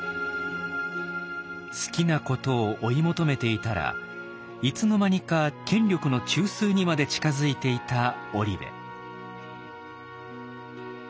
好きなことを追い求めていたらいつの間にか権力の中枢にまで近づいていた織部。